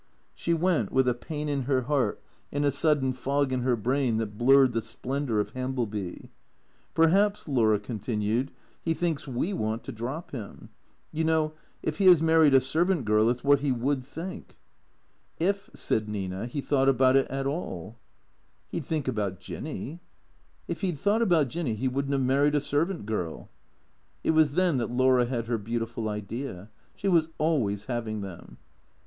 She went, with a pain in her heart and a sudden fog in her brain that blurred the splendour of Hambleby. "Perhaps," Laura continued, "he thinks ive want to drop him. Yon know, if he has married a servant girl it's what he would think." 114 THE CEEATOES " If," said Nina, " he thought about it at all." " He 'd think about Jinny," " If he 'd thought about Jinny he would n't have married a servant girl." It was then that Laura had her beautiful idea. She was always having them.